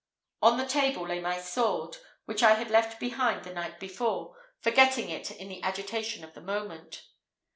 On the table lay my sword, which I had left behind the night before, forgetting it in the agitation of the moment.